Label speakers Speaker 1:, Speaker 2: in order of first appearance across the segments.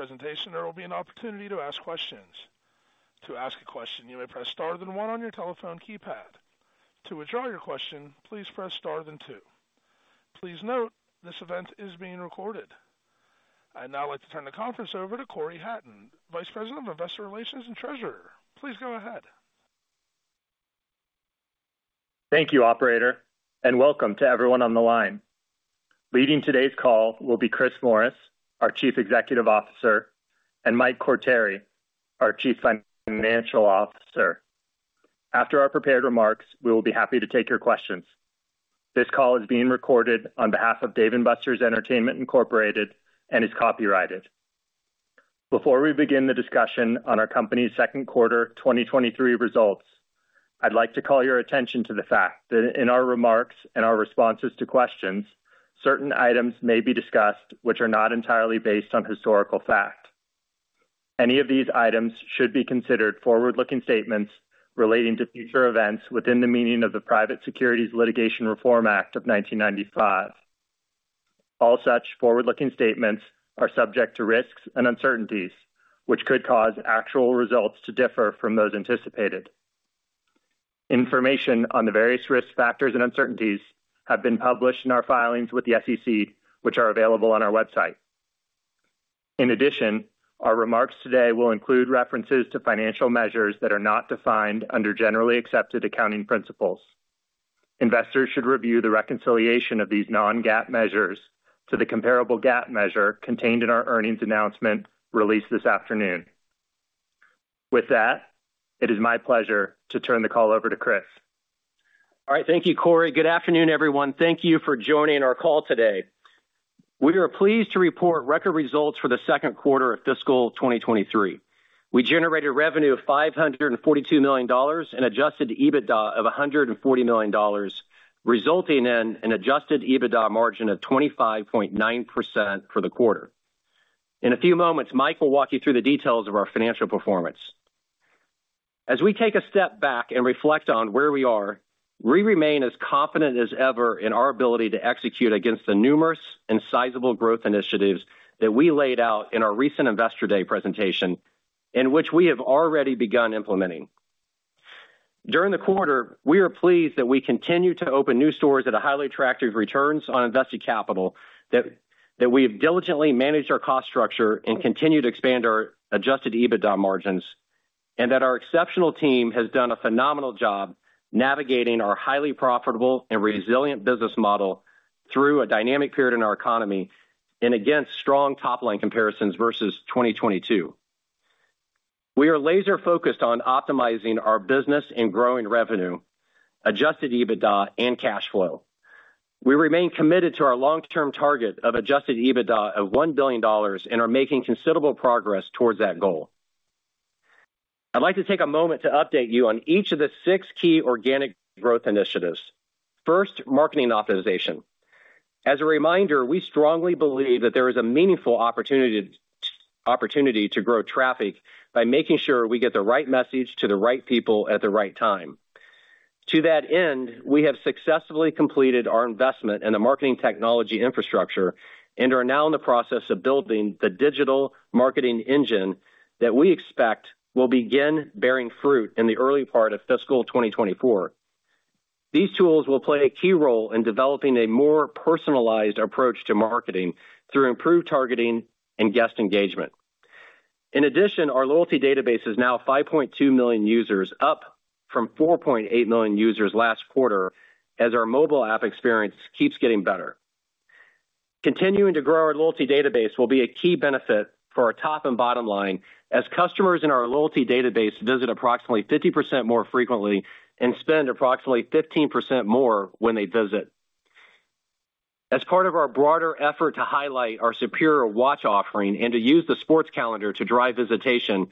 Speaker 1: This presentation, there will be an opportunity to ask questions. To ask a question, you may press Star then one on your telephone keypad. To withdraw your question, please press Star then two. Please note, this event is being recorded. I'd now like to turn the conference over to Cory Hatton, Vice President of Investor Relations and Treasurer. Please go ahead.
Speaker 2: Thank you, operator, and welcome to everyone on the line. Leading today's call will be Chris Morris, our Chief Executive Officer, and Mike Quartieri, our Chief Financial Officer. After our prepared remarks, we will be happy to take your questions. This call is being recorded on behalf of Dave & Buster's Entertainment Incorporated, and is copyrighted. Before we begin the discussion on our company's second quarter 2023 results, I'd like to call your attention to the fact that in our remarks and our responses to questions, certain items may be discussed which are not entirely based on historical fact. Any of these items should be considered forward-looking statements relating to future events within the meaning of the Private Securities Litigation Reform Act of 1995. All such forward-looking statements are subject to risks and uncertainties, which could cause actual results to differ from those anticipated. Information on the various risk factors and uncertainties have been published in our filings with the SEC, which are available on our website. In addition, our remarks today will include references to financial measures that are not defined under generally accepted accounting principles. Investors should review the reconciliation of these non-GAAP measures to the comparable GAAP measure contained in our earnings announcement released this afternoon. With that, it is my pleasure to turn the call over to Chris.
Speaker 3: All right, thank you, Cory. Good afternoon, everyone. Thank you for joining our call today. We are pleased to report record results for the second quarter of fiscal 2023. We generated revenue of $542 million and Adjusted EBITDA of $140 million, resulting in an Adjusted EBITDA margin of 25.9% for the quarter. In a few moments, Mike will walk you through the details of our financial performance. As we take a step back and reflect on where we are, we remain as confident as ever in our ability to execute against the numerous and sizable growth initiatives that we laid out in our recent Investor Day presentation, and which we have already begun implementing. During the quarter, we are pleased that we continue to open new stores at a highly attractive returns on invested capital, that we have diligently managed our cost structure and continue to expand our Adjusted EBITDA margins, and that our exceptional team has done a phenomenal job navigating our highly profitable and resilient business model through a dynamic period in our economy and against strong top-line comparisons versus 2022. We are laser-focused on optimizing our business and growing revenue, Adjusted EBITDA and cash flow. We remain committed to our long-term target of Adjusted EBITDA of $1 billion and are making considerable progress towards that goal. I'd like to take a moment to update you on each of the six key organic growth initiatives. First, marketing optimization. As a reminder, we strongly believe that there is a meaningful opportunity to grow traffic by making sure we get the right message to the right people at the right time. To that end, we have successfully completed our investment in the marketing technology infrastructure and are now in the process of building the digital marketing engine that we expect will begin bearing fruit in the early part of fiscal 2024. These tools will play a key role in developing a more personalized approach to marketing through improved targeting and guest engagement. In addition, our loyalty database is now 5.2 million users, up from 4.8 million users last quarter, as our mobile app experience keeps getting better. Continuing to grow our loyalty database will be a key benefit for our top and bottom line, as customers in our loyalty database visit approximately 50% more frequently and spend approximately 15% more when they visit. As part of our broader effort to highlight our superior watch offering and to use the sports calendar to drive visitation,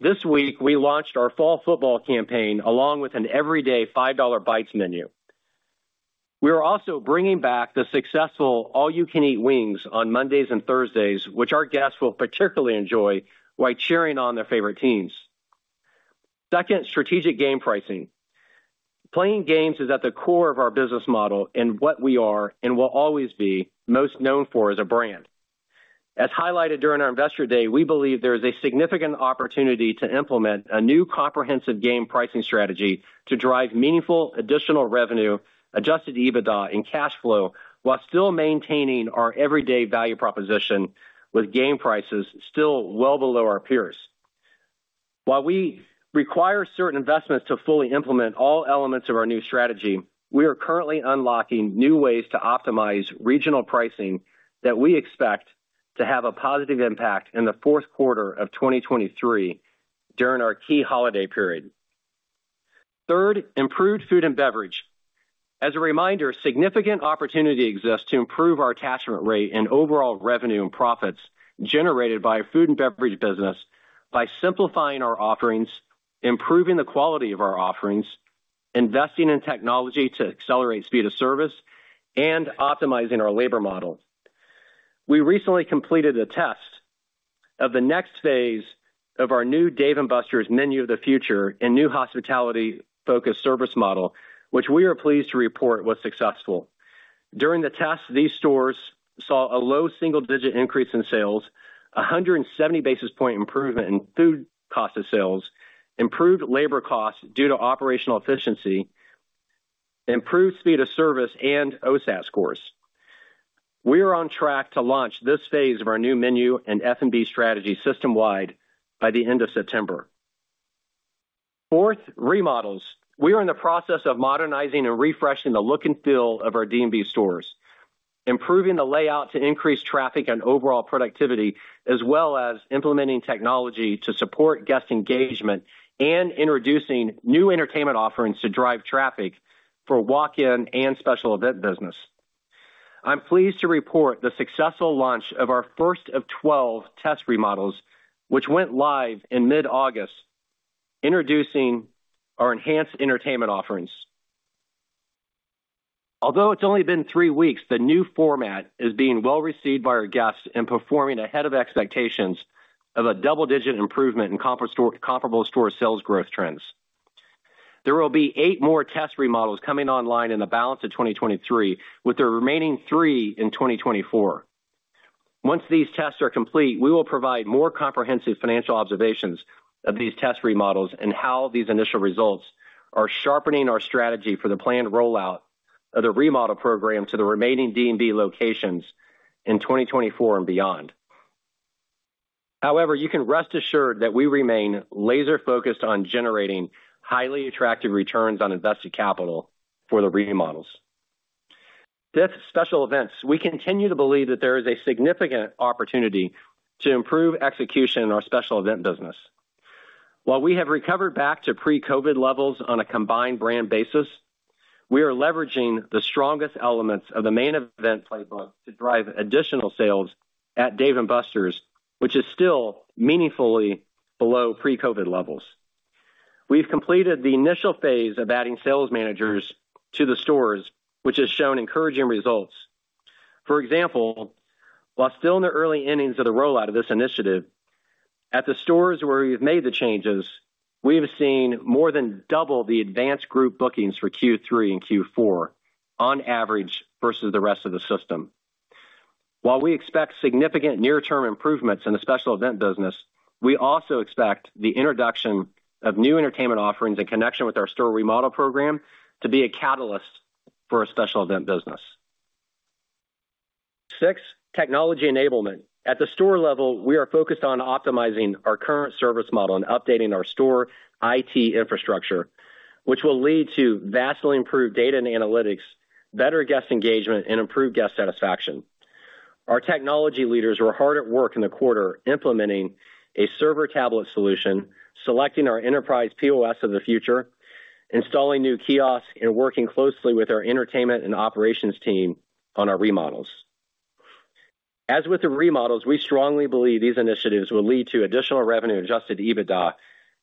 Speaker 3: this week, we launched our fall football campaign, along with an everyday $5 Bites menu. We are also bringing back the successful All-You-Can-Eat Wings on Mondays and Thursdays, which our guests will particularly enjoy while cheering on their favorite teams. Second, strategic game pricing. Playing games is at the core of our business model and what we are, and will always be, most known for as a brand. As highlighted during our Investor Day, we believe there is a significant opportunity to implement a new comprehensive game pricing strategy to drive meaningful additional revenue, Adjusted EBITDA and cash flow, while still maintaining our everyday value proposition with game prices still well below our peers. While we require certain investments to fully implement all elements of our new strategy, we are currently unlocking new ways to optimize regional pricing that we expect to have a positive impact in the fourth quarter of 2023 during our key holiday period. Third, improved food and beverage. As a reminder, significant opportunity exists to improve our attachment rate and overall revenue and profits generated by our food and beverage business by simplifying our offerings, improving the quality of our offerings, investing in technology to accelerate speed of service, and optimizing our labor model. We recently completed a test of the next phase-... of our new Dave & Buster's menu of the future and new hospitality-focused service model, which we are pleased to report was successful. During the test, these stores saw a low single-digit increase in sales, a 170 basis point improvement in food cost of sales, improved labor costs due to operational efficiency, improved speed of service, and OSAT scores. We are on track to launch this phase of our new menu and F&B strategy system-wide by the end of September. Fourth, remodels. We are in the process of modernizing and refreshing the look and feel of our D&B stores, improving the layout to increase traffic and overall productivity, as well as implementing technology to support guest engagement and introducing new entertainment offerings to drive traffic for walk-in and special event business. I'm pleased to report the successful launch of our first of 12 test remodels, which went live in mid-August, introducing our enhanced entertainment offerings. Although it's only been three weeks, the new format is being well received by our guests and performing ahead of expectations of a double-digit improvement in comp store, comparable store sales growth trends. There will be eight more test remodels coming online in the balance of 2023, with the remaining three in 2024. Once these tests are complete, we will provide more comprehensive financial observations of these test remodels and how these initial results are sharpening our strategy for the planned rollout of the remodel program to the remaining D&B locations in 2024 and beyond. However, you can rest assured that we remain laser focused on generating highly attractive returns on invested capital for the remodels. Fifth, special events. We continue to believe that there is a significant opportunity to improve execution in our special event business. While we have recovered back to pre-COVID levels on a combined brand basis, we are leveraging the strongest elements of the Main Event playbook to drive additional sales at Dave & Buster's, which is still meaningfully below pre-COVID levels. We've completed the initial phase of adding sales managers to the stores, which has shown encouraging results. For example, while still in the early innings of the rollout of this initiative, at the stores where we've made the changes, we have seen more than double the advanced group bookings for Q3 and Q4 on average versus the rest of the system. While we expect significant near-term improvements in the special event business, we also expect the introduction of new entertainment offerings in connection with our store remodel program to be a catalyst for our special event business. 6, technology enablement. At the store level, we are focused on optimizing our current service model and updating our store IT infrastructure, which will lead to vastly improved data and analytics, better guest engagement, and improved guest satisfaction. Our technology leaders were hard at work in the quarter, implementing a server tablet solution, selecting our enterprise POS of the future, installing new kiosks, and working closely with our entertainment and operations team on our remodels. As with the remodels, we strongly believe these initiatives will lead to additional revenue, Adjusted EBITDA,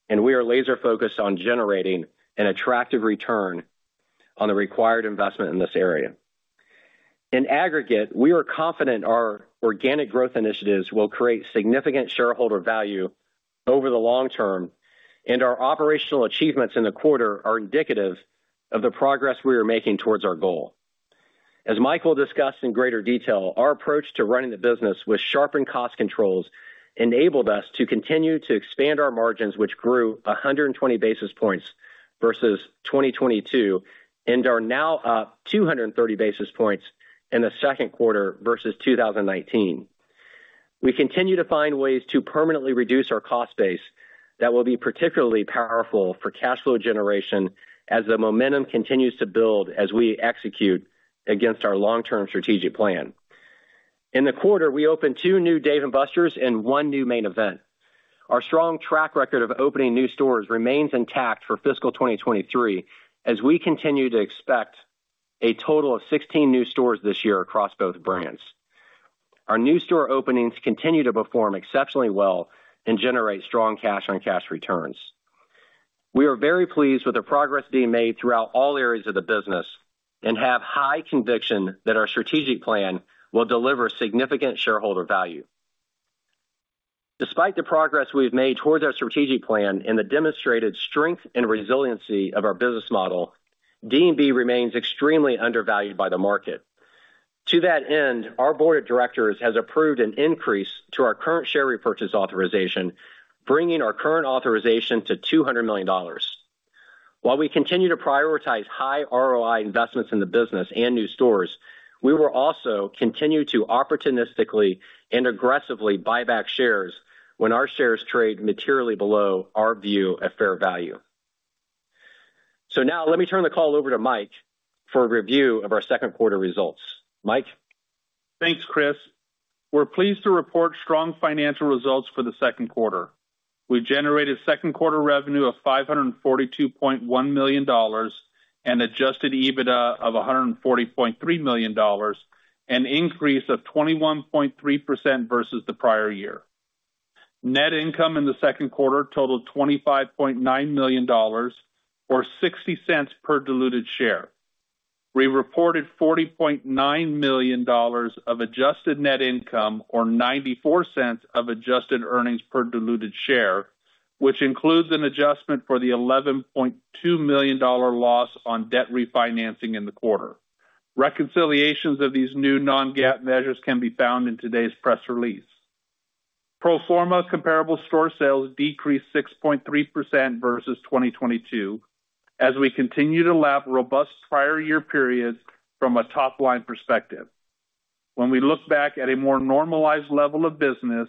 Speaker 3: and we are laser focused on generating an attractive return on the required investment in this area. In aggregate, we are confident our organic growth initiatives will create significant shareholder value over the long term, and our operational achievements in the quarter are indicative of the progress we are making towards our goal. As Michael discussed in greater detail, our approach to running the business with sharpened cost controls enabled us to continue to expand our margins, which grew 120 basis points versus 2022, and are now up 230 basis points in the second quarter versus 2019. We continue to find ways to permanently reduce our cost base that will be particularly powerful for cash flow generation as the momentum continues to build as we execute against our long-term strategic plan. In the quarter, we opened 2 new Dave & Buster's and 1 new Main Event. Our strong track record of opening new stores remains intact for fiscal 2023, as we continue to expect a total of 16 new stores this year across both brands. Our new store openings continue to perform exceptionally well and generate strong cash-on-cash returns. We are very pleased with the progress being made throughout all areas of the business and have high conviction that our strategic plan will deliver significant shareholder value. Despite the progress we've made towards our strategic plan and the demonstrated strength and resiliency of our business model, D&B remains extremely undervalued by the market. To that end, our board of directors has approved an increase to our current share repurchase authorization, bringing our current authorization to $200 million. While we continue to prioritize high ROI investments in the business and new stores, we will also continue to opportunistically and aggressively buy back shares when our shares trade materially below our view at fair value. So now let me turn the call over to Mike for a review of our second quarter results. Mike?
Speaker 4: Thanks, Chris. We're pleased to report strong financial results for the second quarter. We generated second quarter revenue of $542.1 million, and Adjusted EBITDA of $140.3 million, an increase of 21.3% versus the prior year. Net income in the second quarter totaled $25.9 million, or $0.60 per diluted share. We reported $40.9 million of adjusted net income, or $0.94 of adjusted earnings per diluted share, which includes an adjustment for the $11.2 million loss on debt refinancing in the quarter. Reconciliations of these new non-GAAP measures can be found in today's press release. Pro forma comparable store sales decreased 6.3% versus 2022, as we continue to lap robust prior year periods from a top line perspective. When we look back at a more normalized level of business,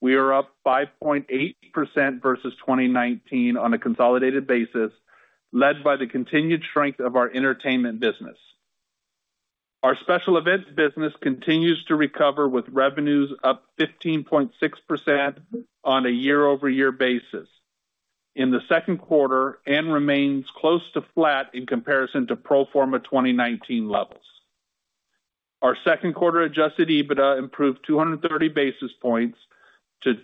Speaker 4: we are up 5.8% versus 2019 on a consolidated basis, led by the continued strength of our entertainment business. Our special events business continues to recover, with revenues up 15.6% on a year-over-year basis in the second quarter and remains close to flat in comparison to pro forma 2019 levels. Our second quarter Adjusted EBITDA improved 230 basis points to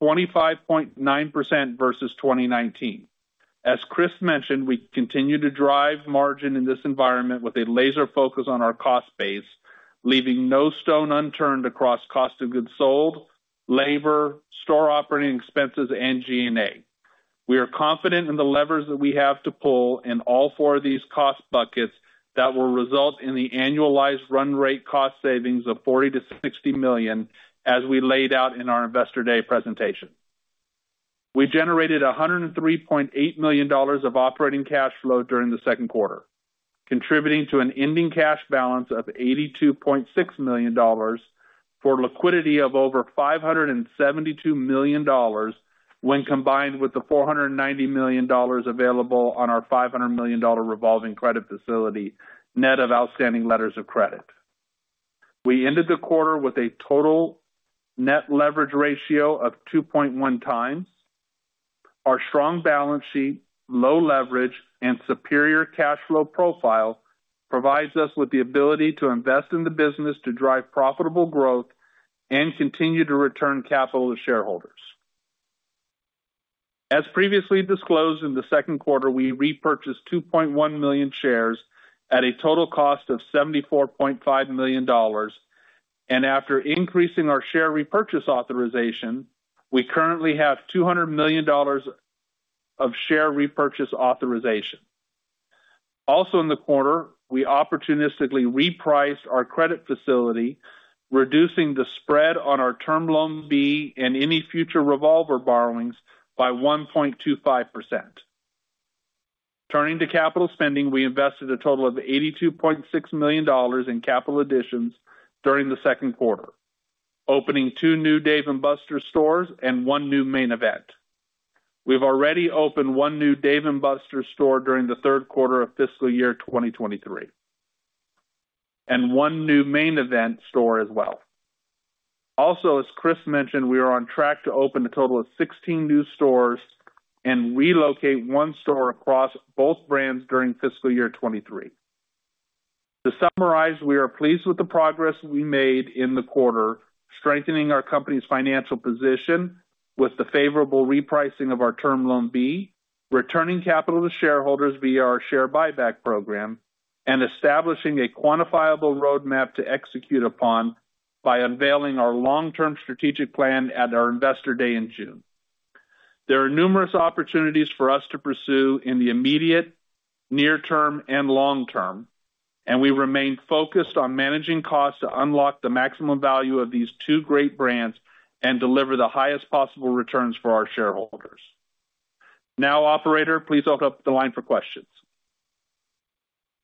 Speaker 4: 25.9% versus 2019. As Chris mentioned, we continue to drive margin in this environment with a laser focus on our cost base, leaving no stone unturned across cost of goods sold, labor, store operating expenses, and G&A. We are confident in the levers that we have to pull in all four of these cost buckets that will result in the annualized run rate cost savings of $40 million-$60 million, as we laid out in our Investor Day presentation. We generated $103.8 million of operating cash flow during the second quarter, contributing to an ending cash balance of $82.6 million, for liquidity of over $572 million, when combined with the $490 million available on our $500 million revolving credit facility, net of outstanding letters of credit. We ended the quarter with a total net leverage ratio of 2.1 times. Our strong balance sheet, low leverage, and superior cash flow profile provides us with the ability to invest in the business to drive profitable growth and continue to return capital to shareholders. As previously disclosed, in the second quarter, we repurchased 2.1 million shares at a total cost of $74.5 million, and after increasing our share repurchase authorization, we currently have $200 million of share repurchase authorization. Also in the quarter, we opportunistically repriced our credit facility, reducing the spread on our Term Loan B and any future revolver borrowings by 1.25%. Turning to capital spending, we invested a total of $82.6 million in capital additions during the second quarter, opening 2 new Dave & Buster's stores and 1 new Main Event. We've already opened one new Dave & Buster's store during the third quarter of fiscal year 2023, and one new Main Event store as well. Also, as Chris mentioned, we are on track to open a total of 16 new stores and relocate one store across both brands during fiscal year 2023. To summarize, we are pleased with the progress we made in the quarter, strengthening our company's financial position with the favorable repricing of our Term Loan B, returning capital to shareholders via our share buyback program, and establishing a quantifiable roadmap to execute upon by unveiling our long-term strategic plan at our Investor Day in June. There are numerous opportunities for us to pursue in the immediate, near term, and long term, and we remain focused on managing costs to unlock the maximum value of these two great brands and deliver the highest possible returns for our shareholders. Now, operator, please open up the line for questions.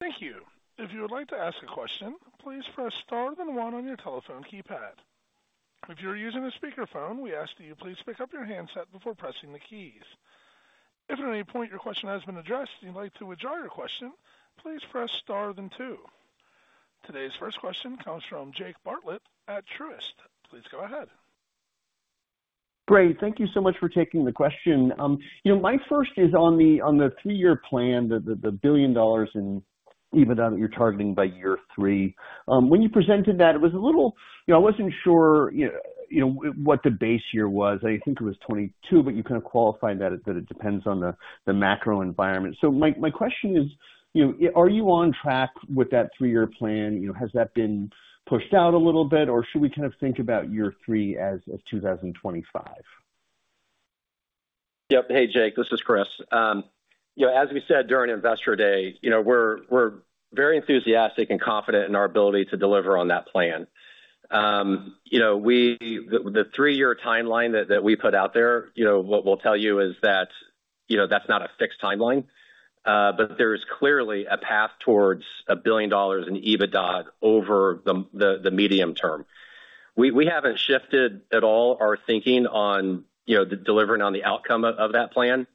Speaker 1: Thank you. If you would like to ask a question, please press star then one on your telephone keypad. If you're using a speakerphone, we ask that you please pick up your handset before pressing the keys. If at any point your question has been addressed, and you'd like to withdraw your question, please press star then two. Today's first question comes from Jake Bartlett at Truist. Please go ahead.
Speaker 5: Great, thank you so much for taking the question. You know, my first is on the, on the three-year plan, the $1 billion in EBITDA that you're targeting by year three. When you presented that, it was a little... You know, I wasn't sure, you, you know, what the base year was. I think it was 2022, but you kind of qualified that, that it depends on the, the macro environment. So my, my question is, you know, are you on track with that three-year plan? You know, has that been pushed out a little bit, or should we kind of think about year three as, as 2025?
Speaker 3: Yep. Hey, Jake, this is Chris. You know, as we said during Investor Day, you know, we're very enthusiastic and confident in our ability to deliver on that plan. You know, the three-year timeline that we put out there, you know, what we'll tell you is that, you know, that's not a fixed timeline, but there is clearly a path towards $1 billion in EBITDA over the medium term. We haven't shifted at all our thinking on, you know, delivering on the outcome of that plan,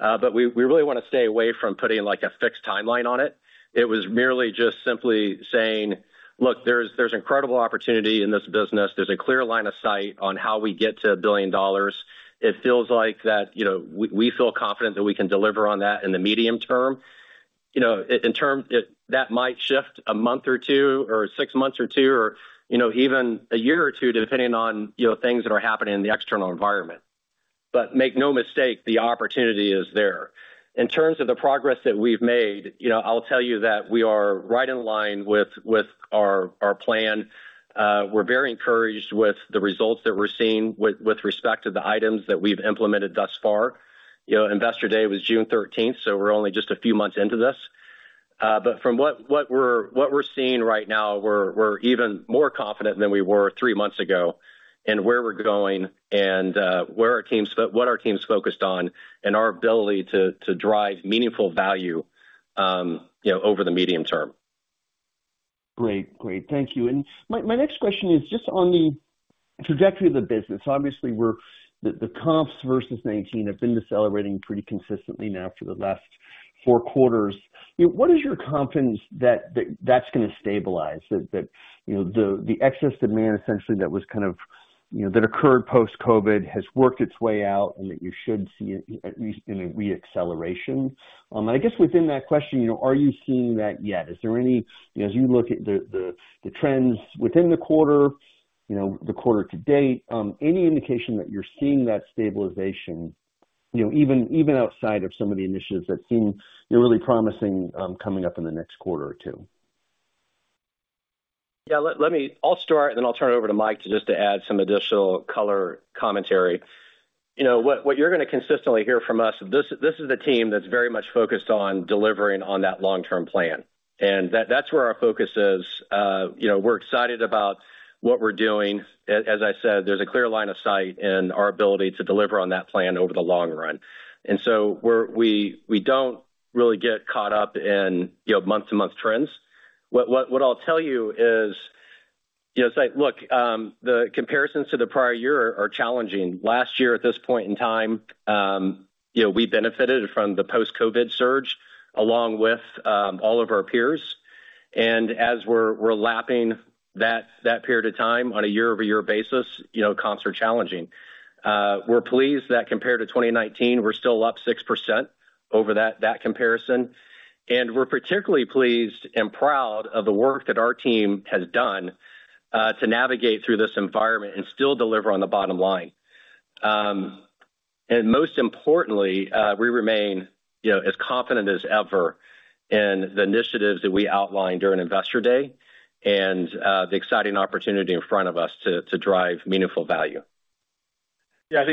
Speaker 3: but we really want to stay away from putting, like, a fixed timeline on it. It was merely just simply saying: Look, there's incredible opportunity in this business. There's a clear line of sight on how we get to $1 billion. It feels like that, you know, we feel confident that we can deliver on that in the medium term. You know, in terms, that might shift a month or two, or six months or two, or, you know, even a year or two, depending on, you know, things that are happening in the external environment. ... But make no mistake, the opportunity is there. In terms of the progress that we've made, you know, I'll tell you that we are right in line with our plan. We're very encouraged with the results that we're seeing with respect to the items that we've implemented thus far. You know, Investor Day was June thirteenth, so we're only just a few months into this. But from what we're seeing right now, we're even more confident than we were three months ago in where we're going and what our team's focused on and our ability to drive meaningful value, you know, over the medium term.
Speaker 5: Great. Great. Thank you. And my next question is just on the trajectory of the business. Obviously, the comps versus 2019 have been decelerating pretty consistently now for the last 4 quarters. You know, what is your confidence that that's gonna stabilize? That you know, the excess demand, essentially, that was kind of, you know, that occurred post-COVID has worked its way out, and that you should see at least a reacceleration. And I guess within that question, you know, are you seeing that yet? Is there any... You know, as you look at the trends within the quarter, you know, the quarter to date, any indication that you're seeing that stabilization, you know, even outside of some of the initiatives that seem really promising, coming up in the next quarter or 2?
Speaker 3: Yeah, let me—I'll start, and then I'll turn it over to Mike to add some additional color commentary. You know, what you're gonna consistently hear from us, this is a team that's very much focused on delivering on that long-term plan, and that's where our focus is. You know, we're excited about what we're doing. As I said, there's a clear line of sight in our ability to deliver on that plan over the long run. And so we're—we don't really get caught up in, you know, month-to-month trends. What I'll tell you is, you know, look, the comparisons to the prior year are challenging. Last year, at this point in time, you know, we benefited from the post-COVID surge, along with all of our peers. And as we're lapping that period of time on a year-over-year basis, you know, comps are challenging. We're pleased that compared to 2019, we're still up 6% over that comparison. And we're particularly pleased and proud of the work that our team has done to navigate through this environment and still deliver on the bottom line. And most importantly, we remain, you know, as confident as ever in the initiatives that we outlined during Investor Day and the exciting opportunity in front of us to drive meaningful value.
Speaker 4: Yeah, I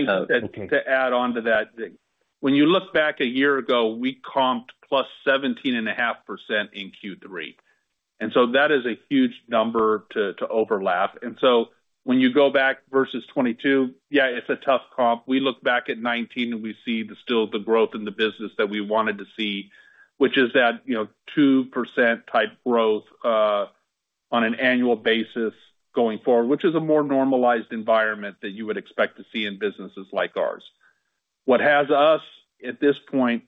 Speaker 4: think to add on to that, when you look back a year ago, we comped +17.5% in Q3, and so that is a huge number to overlap. And so when you go back versus 2022, yeah, it's a tough comp. We look back at 2019, and we see still the growth in the business that we wanted to see, which is that, you know, 2% type growth on an annual basis going forward, which is a more normalized environment than you would expect to see in businesses like ours. What has us, at this point,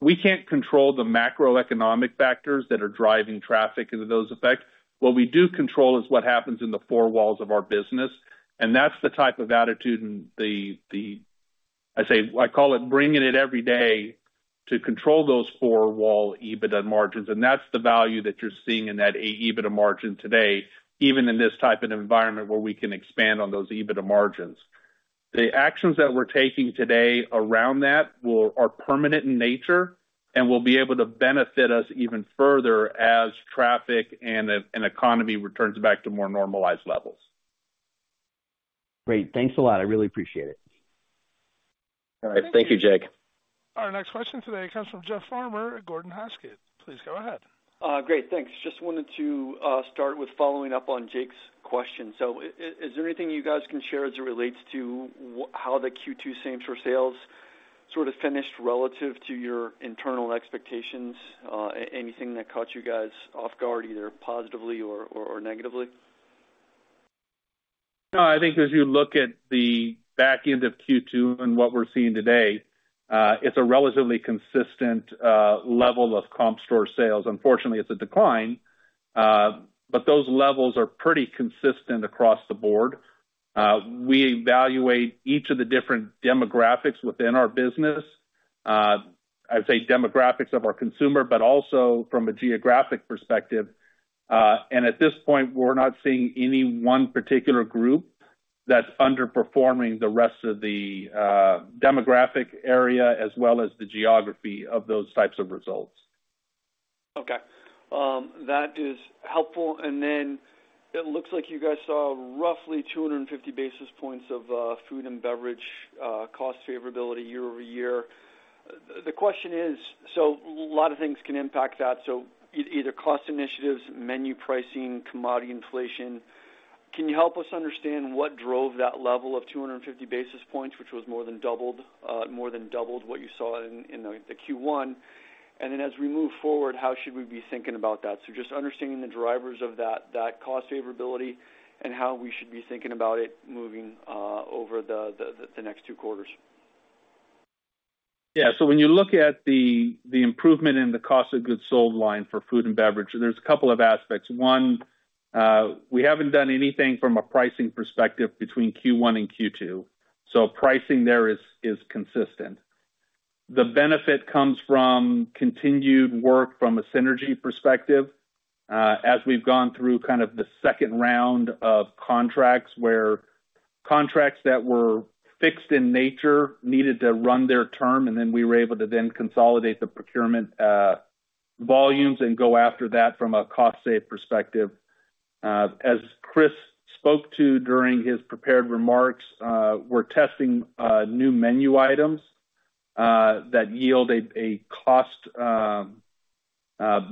Speaker 4: we can't control the macroeconomic factors that are driving traffic and those effects. What we do control is what happens in the four walls of our business, and that's the type of attitude and the, I say, I call it, bringing it every day to control those four-wall EBITDA margins, and that's the value that you're seeing in that EBITDA margin today, even in this type of environment, where we can expand on those EBITDA margins. The actions that we're taking today around that will are permanent in nature and will be able to benefit us even further as traffic and economy returns back to more normalized levels.
Speaker 5: Great. Thanks a lot. I really appreciate it.
Speaker 3: All right. Thank you, Jake.
Speaker 1: Our next question today comes from Jeff Farmer at Gordon Haskett. Please go ahead.
Speaker 6: Great, thanks. Just wanted to start with following up on Jake's question. So is there anything you guys can share as it relates to how the Q2 same-store sales sort of finished relative to your internal expectations? Anything that caught you guys off guard, either positively or negatively?
Speaker 4: No, I think as you look at the back end of Q2 and what we're seeing today, it's a relatively consistent level of comp store sales. Unfortunately, it's a decline, but those levels are pretty consistent across the board. We evaluate each of the different demographics within our business. I'd say demographics of our consumer, but also from a geographic perspective. And at this point, we're not seeing any one particular group that's underperforming the rest of the demographic area as well as the geography of those types of results.
Speaker 6: Okay, that is helpful. And then it looks like you guys saw roughly 250 basis points of food and beverage cost favorability year-over-year. The question is... So a lot of things can impact that, so either cost initiatives, menu pricing, commodity inflation. Can you help us understand what drove that level of 250 basis points, which was more than doubled, more than doubled what you saw in the Q1? And then, as we move forward, how should we be thinking about that? So just understanding the drivers of that cost favorability and how we should be thinking about it moving over the next two quarters.
Speaker 4: Yeah, so when you look at the improvement in the cost of goods sold line for food and beverage, there's a couple of aspects. One, we haven't done anything from a pricing perspective between Q1 and Q2, so pricing there is consistent. The benefit comes from continued work from a synergy perspective, as we've gone through kind of the second round of contracts, where contracts that were fixed in nature needed to run their term, and then we were able to consolidate the procurement volumes and go after that from a cost save perspective. As Chris spoke to during his prepared remarks, we're testing new menu items that yield a cost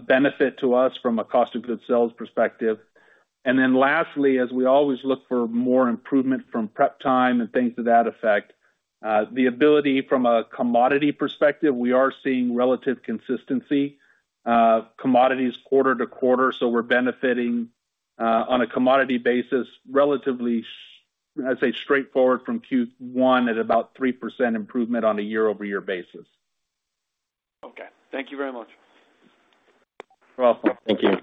Speaker 4: benefit to us from a cost of goods sold perspective. And then lastly, as we always look for more improvement from prep time and things to that effect, the ability from a commodity perspective, we are seeing relative consistency, commodities quarter to quarter, so we're benefiting, on a commodity basis, relatively, I'd say, straightforward from Q1 at about 3% improvement on a year-over-year basis.
Speaker 6: Okay, thank you very much.
Speaker 3: You're welcome. Thank you.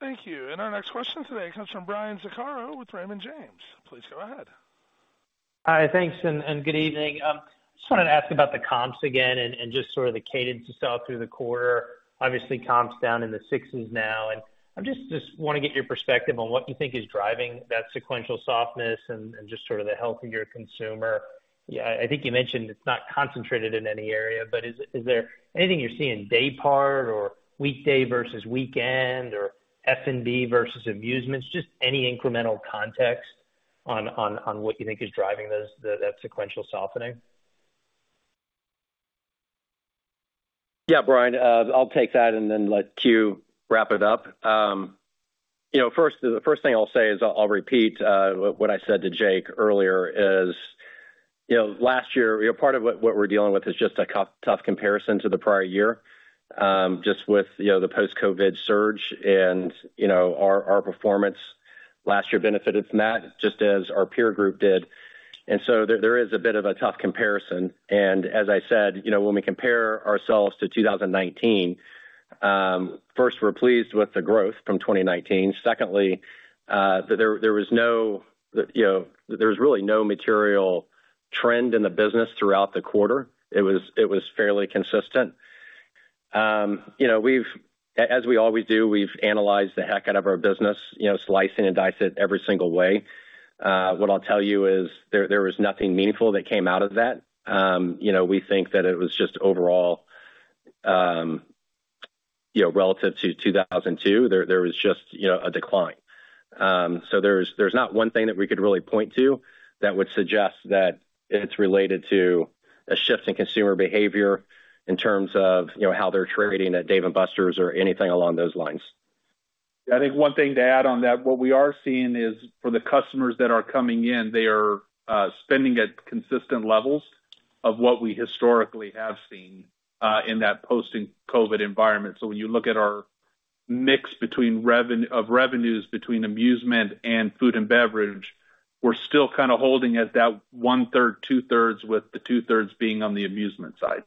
Speaker 1: Thank you. Our next question today comes from Brian Vaccaro with Raymond James. Please go ahead.
Speaker 7: Hi, thanks, and good evening. Just wanted to ask about the comps again and just sort of the cadence itself through the quarter. Obviously, comps down in the sixties now, and I just want to get your perspective on what you think is driving that sequential softness and just sort of the health of your consumer. Yeah, I think you mentioned it's not concentrated in any area, but is there anything you're seeing day part or weekday versus weekend or F&B versus amusements? Just any incremental context on what you think is driving those, that sequential softening.
Speaker 3: Yeah, Brian, I'll take that and then let Q wrap it up. You know, first, the first thing I'll say is I'll repeat what I said to Jake earlier is, you know, last year, you know, part of what we're dealing with is just a tough, tough comparison to the prior year, just with, you know, the post-COVID surge and, you know, our performance last year benefited from that, just as our peer group did. And so there is a bit of a tough comparison. And as I said, you know, when we compare ourselves to 2019, first, we're pleased with the growth from 2019. Secondly, there was no, you know, there was really no material trend in the business throughout the quarter. It was fairly consistent. You know, we've, as we always do, we've analyzed the heck out of our business, you know, slice and dice it every single way. What I'll tell you is there, there was nothing meaningful that came out of that. You know, we think that it was just overall, you know, relative to 2002, there, there was just, you know, a decline. So there's, there's not one thing that we could really point to that would suggest that it's related to a shift in consumer behavior in terms of, you know, how they're trading at Dave & Buster's or anything along those lines.
Speaker 4: I think one thing to add on that, what we are seeing is, for the customers that are coming in, they are spending at consistent levels of what we historically have seen in that post-COVID environment. So when you look at our mix of revenues between amusement and food and beverage, we're still kind of holding at that one-third, two-thirds, with the two-thirds being on the amusement side.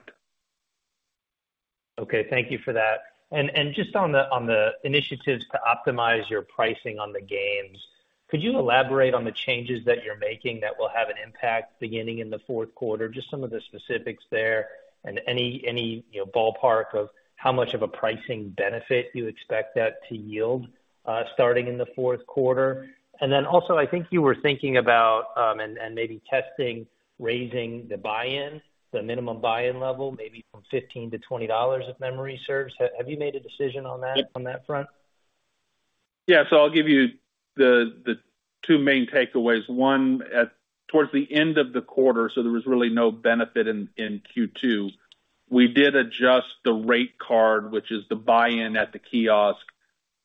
Speaker 7: Okay, thank you for that. And just on the initiatives to optimize your pricing on the games, could you elaborate on the changes that you're making that will have an impact beginning in the fourth quarter? Just some of the specifics there and any, you know, ballpark of how much of a pricing benefit you expect that to yield starting in the fourth quarter. And then also, I think you were thinking about and maybe testing raising the buy-in, the minimum buy-in level, maybe from $15-$20, if memory serves. Have you made a decision on that front?
Speaker 4: Yeah, so I'll give you the two main takeaways. One, towards the end of the quarter, so there was really no benefit in Q2, we did adjust the rate card, which is the buy-in at the kiosk.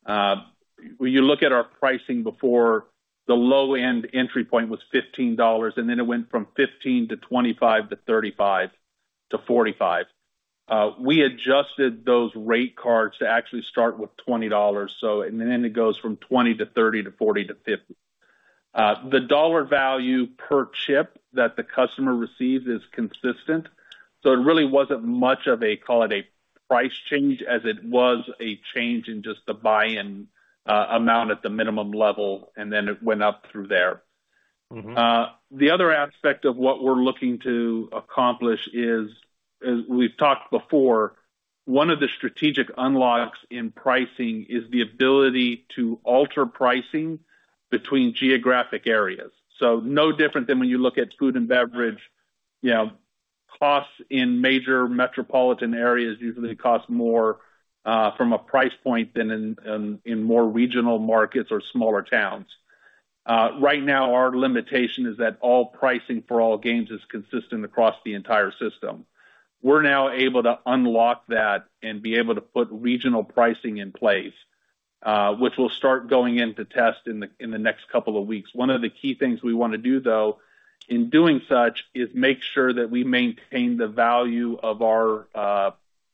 Speaker 4: When you look at our pricing before, the low-end entry point was $15, and then it went from 15 to 25 to 35 to 45. We adjusted those rate cards to actually start with $20. So and then it goes from 20 to 30 to 40 to 50. The dollar value per chip that the customer receives is consistent, so it really wasn't much of a, call it a price change, as it was a change in just the buy-in amount at the minimum level, and then it went up through there.
Speaker 7: Mm-hmm.
Speaker 4: The other aspect of what we're looking to accomplish is, as we've talked before, one of the strategic unlocks in pricing is the ability to alter pricing between geographic areas. So no different than when you look at food and beverage, you know, costs in major metropolitan areas usually cost more, from a price point than in more regional markets or smaller towns. Right now, our limitation is that all pricing for all games is consistent across the entire system. We're now able to unlock that and be able to put regional pricing in place, which will start going into test in the next couple of weeks. One of the key things we want to do, though, in doing such, is make sure that we maintain the value of our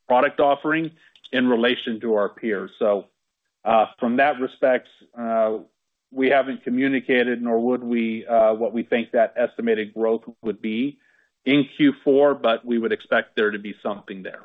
Speaker 4: product offering in relation to our peers. So, from that respect, we haven't communicated, nor would we, what we think that estimated growth would be in Q4, but we would expect there to be something there....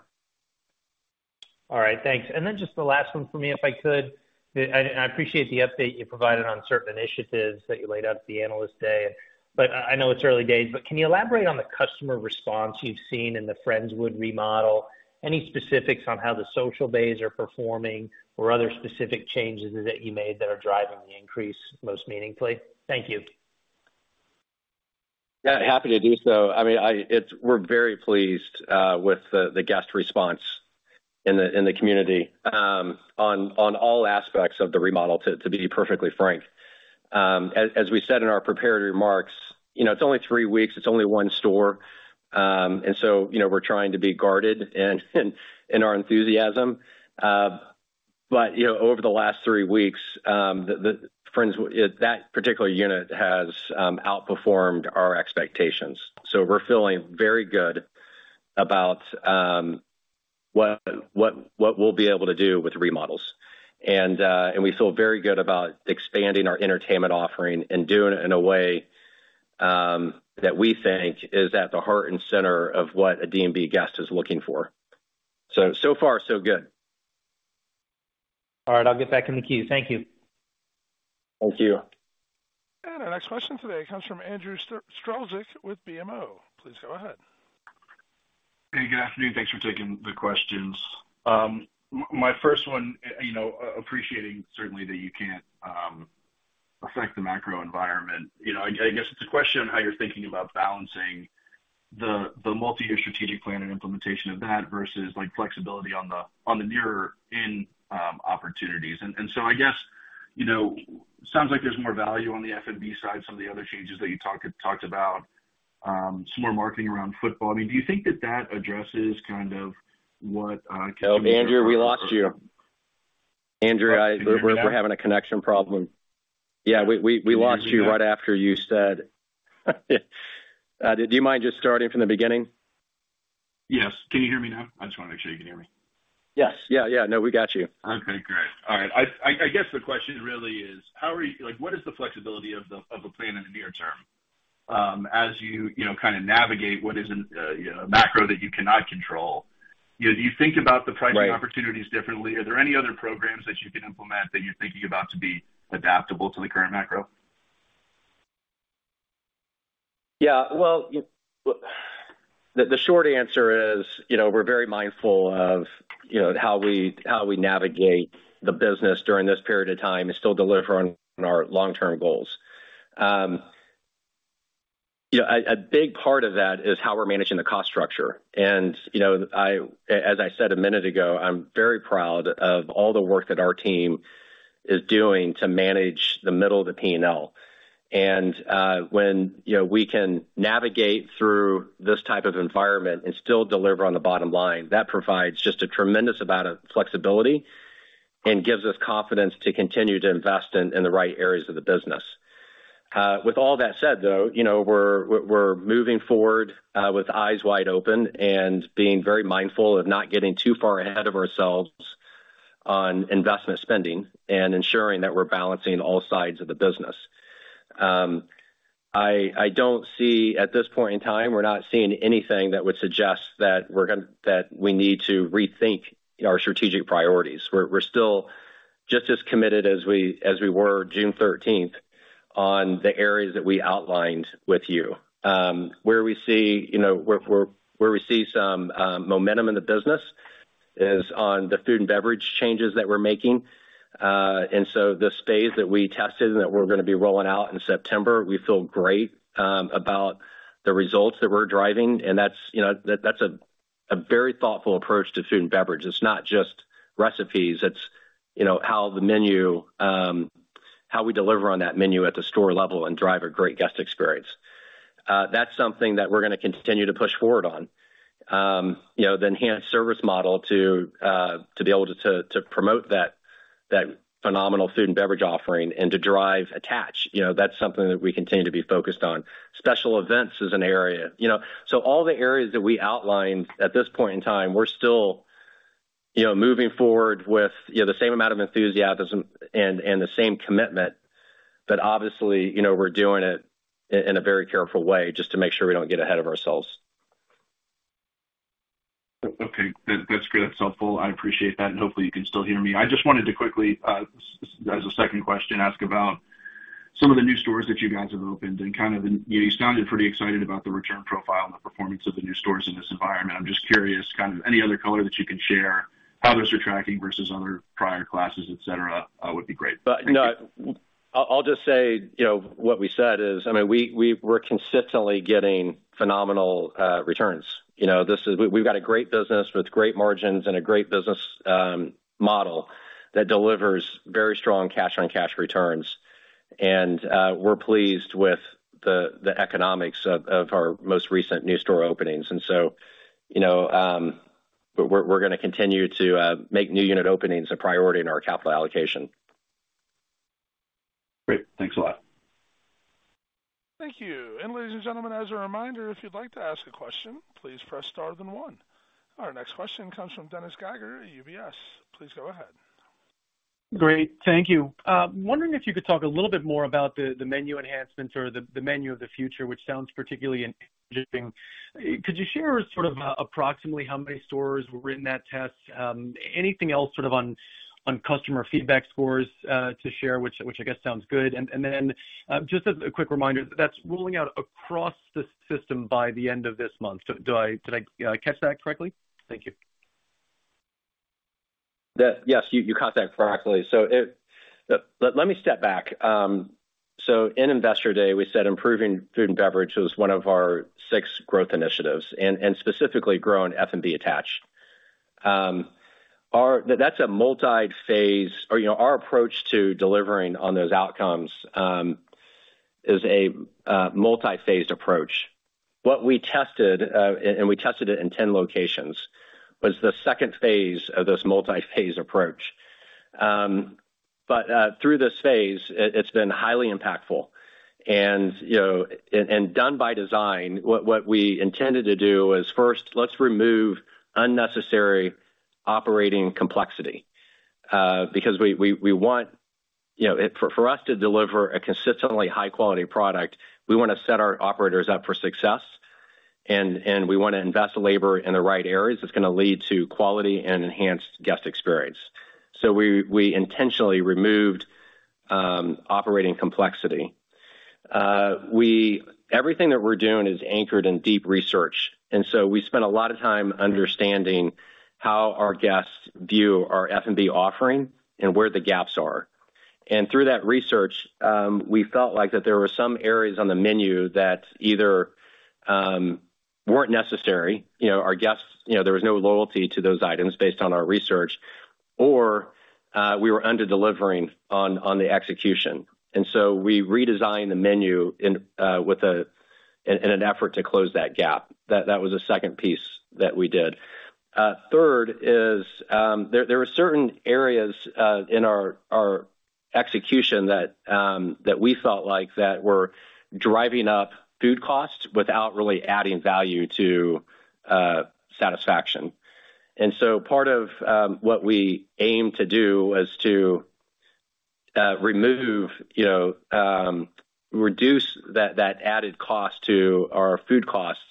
Speaker 7: All right, thanks. And then just the last one for me, if I could. I appreciate the update you provided on certain initiatives that you laid out at the Analyst Day, but I know it's early days, but can you elaborate on the customer response you've seen in the Friendswood remodel? Any specifics on how the social bays are performing or other specific changes that you made that are driving the increase most meaningfully? Thank you.
Speaker 3: Yeah, happy to do so. I mean, it's we're very pleased with the guest response in the community on all aspects of the remodel, to be perfectly frank. As we said in our prepared remarks, you know, it's only three weeks, it's only one store, and so, you know, we're trying to be guarded in our enthusiasm. But, you know, over the last three weeks, the Friendswood unit has outperformed our expectations. So we're feeling very good about what we'll be able to do with remodels. And, and we feel very good about expanding our entertainment offering and doing it in a way that we think is at the heart and center of what a D&B guest is looking for. So far, so good.
Speaker 7: All right, I'll get back in the queue. Thank you.
Speaker 3: Thank you.
Speaker 1: Our next question today comes from Andrew Strelzik with BMO. Please go ahead.
Speaker 8: Hey, good afternoon. Thanks for taking the questions. My first one, you know, appreciating certainly that you can't affect the macro environment. You know, I guess it's a question on how you're thinking about balancing the multiyear strategic plan and implementation of that versus, like, flexibility on the nearer in opportunities. And so I guess, you know, sounds like there's more value on the F&B side, some of the other changes that you talked about, some more marketing around football. I mean, do you think that that addresses kind of what-
Speaker 3: Oh, Andrew, we lost you. Andrew, I-
Speaker 8: Can you hear me now?
Speaker 3: We're having a connection problem. Yeah, we lost you right after you said... Do you mind just starting from the beginning?
Speaker 8: Yes. Can you hear me now? I just wanna make sure you can hear me.
Speaker 3: Yes. Yeah, yeah. No, we got you.
Speaker 8: Okay, great. All right. I guess the question really is: How are you, like, what is the flexibility of a plan in the near term, as you know, kind of navigate what isn't, you know, a macro that you cannot control? You know, do you think about the pricing opportunities differently?
Speaker 3: Right.
Speaker 8: Are there any other programs that you can implement that you're thinking about to be adaptable to the current macro?
Speaker 3: Yeah, well, the short answer is, you know, we're very mindful of, you know, how we navigate the business during this period of time and still deliver on our long-term goals. You know, a big part of that is how we're managing the cost structure. And, you know, as I said a minute ago, I'm very proud of all the work that our team is doing to manage the middle of the P&L. And when, you know, we can navigate through this type of environment and still deliver on the bottom line, that provides just a tremendous amount of flexibility and gives us confidence to continue to invest in the right areas of the business. With all that said, though, you know, we're moving forward with eyes wide open and being very mindful of not getting too far ahead of ourselves on investment spending and ensuring that we're balancing all sides of the business. I don't see. At this point in time, we're not seeing anything that would suggest that we need to rethink our strategic priorities. We're still just as committed as we were June thirteenth, on the areas that we outlined with you. Where we see, you know, some momentum in the business is on the food and beverage changes that we're making. And so the plays that we tested and that we're gonna be rolling out in September, we feel great about the results that we're driving, and that's, you know, that's a very thoughtful approach to food and beverage. It's not just recipes. It's, you know, how the menu, how we deliver on that menu at the store level and drive a great guest experience. That's something that we're gonna continue to push forward on. You know, the enhanced service model to promote that phenomenal food and beverage offering and to drive attach. You know, that's something that we continue to be focused on. Special events is an area. You know, so all the areas that we outlined, at this point in time, we're still, you know, moving forward with, you know, the same amount of enthusiasm and the same commitment. But obviously, you know, we're doing it in a very careful way just to make sure we don't get ahead of ourselves.
Speaker 8: Okay. That, that's great. That's helpful. I appreciate that, and hopefully you can still hear me. I just wanted to quickly, as a second question, ask about some of the new stores that you guys have opened and kind of... You, you sounded pretty excited about the return profile and the performance of the new stores in this environment. I'm just curious, kind of any other color that you can share, how those are tracking versus other prior classes, et cetera, would be great.
Speaker 3: But no, I'll just say, you know, what we said is, I mean, we're consistently getting phenomenal returns. You know, this is. We've got a great business with great margins and a great business model that delivers very strong cash-on-cash returns. And we're pleased with the economics of our most recent new store openings. And so, you know, we're gonna continue to make new unit openings a priority in our capital allocation.
Speaker 8: Great. Thanks a lot.
Speaker 1: Thank you. Ladies and gentlemen, as a reminder, if you'd like to ask a question, please press star then one. Our next question comes from Dennis Geiger at UBS. Please go ahead. ...
Speaker 9: Great. Thank you. Wondering if you could talk a little bit more about the, the menu enhancements or the, the menu of the future, which sounds particularly interesting. Could you share sort of approximately how many stores were in that test? Anything else sort of on, on customer feedback scores to share, which, which I guess sounds good. And then, just as a quick reminder, that's rolling out across the system by the end of this month. Do, do I- did I catch that correctly? Thank you.
Speaker 3: Yes, you, you caught that correctly. So, but let me step back. So in Investor Day, we said improving food and beverage was one of our six growth initiatives and specifically growing F&B attached. Our-- that's a multi-phase or, you know, our approach to delivering on those outcomes is a multi-phased approach. What we tested and we tested it in 10 locations was the second phase of this multi-phase approach. But through this phase, it, it's been highly impactful. You know, done by design, what we intended to do is first, let's remove unnecessary operating complexity, because we want, you know, for us to deliver a consistently high quality product, we want to set our operators up for success, and we want to invest labor in the right areas that's gonna lead to quality and enhanced guest experience. So we intentionally removed operating complexity. Everything that we're doing is anchored in deep research, and so we spent a lot of time understanding how our guests view our F&B offering and where the gaps are. Through that research, we felt like there were some areas on the menu that either weren't necessary, you know, our guests, you know, there was no loyalty to those items based on our research, or we were under-delivering on the execution. So we redesigned the menu in an effort to close that gap. That was the second piece that we did. Third is, there are certain areas in our execution that we felt like were driving up food costs without really adding value to satisfaction. So part of what we aim to do is to remove, you know, reduce that added cost to our food costs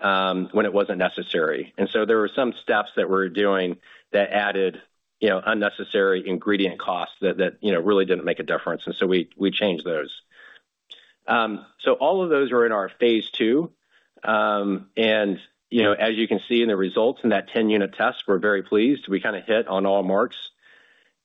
Speaker 3: when it wasn't necessary. There were some steps that we're doing that added, you know, unnecessary ingredient costs that, you know, really didn't make a difference, and so we changed those. So all of those are in our phase two. You know, as you can see in the results in that 10-unit test, we're very pleased. We kinda hit on all marks.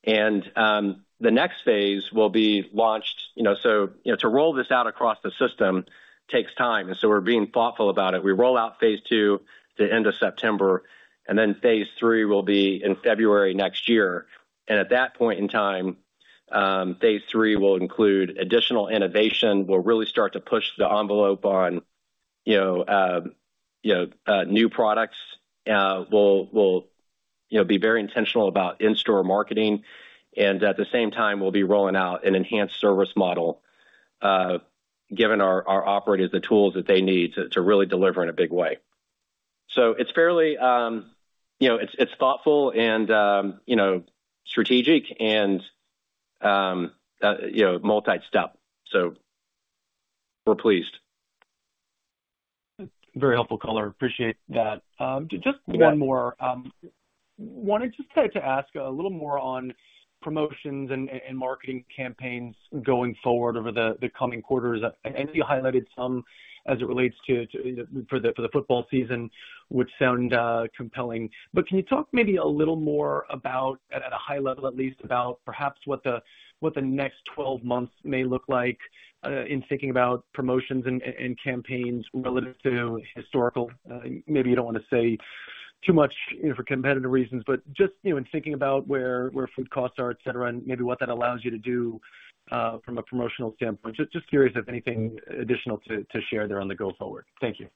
Speaker 3: The next phase will be launched. You know, to roll this out across the system takes time, and so we're being thoughtful about it. We roll out phase two the end of September, and then phase three will be in February next year. At that point in time, phase three will include additional innovation. We'll really start to push the envelope on, you know, new products. We'll, you know, be very intentional about in-store marketing, and at the same time, we'll be rolling out an enhanced service model, giving our operators the tools that they need to really deliver in a big way. So it's fairly, you know, it's thoughtful and, you know, strategic and, you know, multi-step. So we're pleased.
Speaker 9: Very helpful color. Appreciate that. Just one more. Wanted just to ask a little more on promotions and marketing campaigns going forward over the coming quarters. I know you highlighted some as it relates to for the football season, which sound compelling. But can you talk maybe a little more about, at a high level, at least, about perhaps what the next 12 months may look like, in thinking about promotions and campaigns relative to historical? Maybe you don't want to say too much, you know, for competitive reasons, but just, you know, in thinking about where food costs are, et cetera, and maybe what that allows you to do, from a promotional standpoint. Just curious if anything additional to share there on the go forward. Thank you.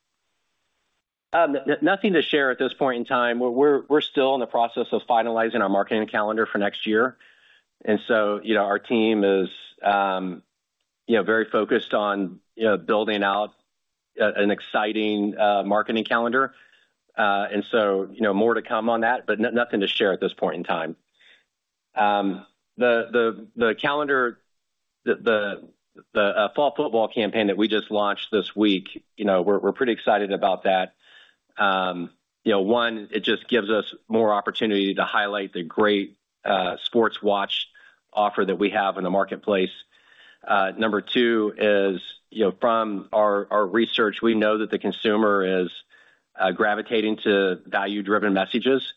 Speaker 3: Nothing to share at this point in time. We're still in the process of finalizing our marketing calendar for next year, and so, you know, our team is, you know, very focused on, you know, building out an exciting marketing calendar. And so, you know, more to come on that, but nothing to share at this point in time. The fall football campaign that we just launched this week, you know, we're pretty excited about that. You know, one, it just gives us more opportunity to highlight the great sports watch offer that we have in the marketplace. Number two is, you know, from our research, we know that the consumer is gravitating to value-driven messages.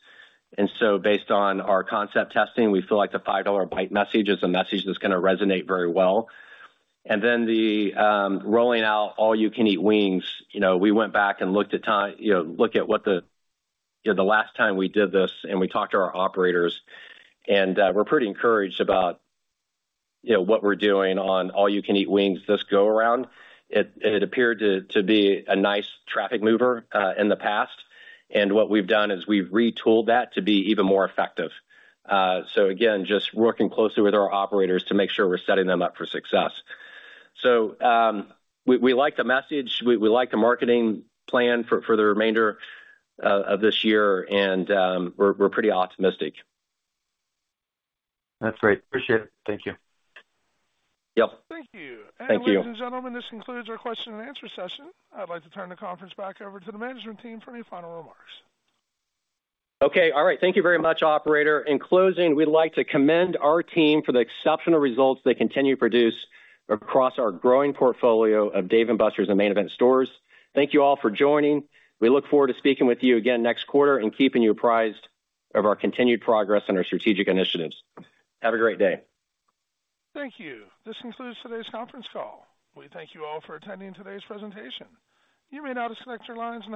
Speaker 3: And so based on our concept testing, we feel like the $5 Bites message is a message that's gonna resonate very well. And then the rolling out All-You-Can-Eat Wings, you know, we went back and looked at what the, you know, the last time we did this, and we talked to our operators, and we're pretty encouraged about, you know, what we're doing on All-You-Can-Eat Wings this go around. It appeared to be a nice traffic mover in the past, and what we've done is we've retooled that to be even more effective. So again, just working closely with our operators to make sure we're setting them up for success. So we like the message, we like the marketing plan for the remainder of this year, and we're pretty optimistic.
Speaker 9: That's great. Appreciate it. Thank you.
Speaker 3: Yep.
Speaker 1: Thank you.
Speaker 3: Thank you.
Speaker 1: Ladies and gentlemen, this concludes our question and answer session. I'd like to turn the conference back over to the management team for any final remarks.
Speaker 3: Okay, all right. Thank you very much, operator. In closing, we'd like to commend our team for the exceptional results they continue to produce across our growing portfolio of Dave & Buster's and Main Event stores. Thank you all for joining. We look forward to speaking with you again next quarter and keeping you apprised of our continued progress on our strategic initiatives. Have a great day.
Speaker 1: Thank you. This concludes today's conference call. We thank you all for attending today's presentation. You may now disconnect your lines and-